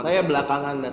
saya belakangan datang